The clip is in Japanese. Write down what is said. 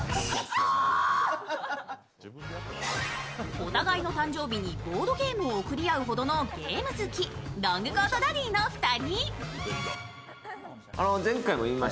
お互いの誕生日にボードゲームを送り合うほどのゲーム好き、ロングコートダディの２人。